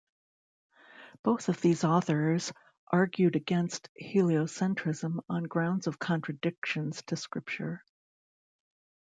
Both of these authors argued against heliocentrism on grounds of contradictions to scripture.